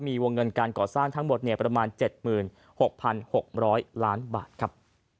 มีวงเงินการก่อสร้างทั้งหมดประมาณ๗๖๖๐๐ล้านบาทครับ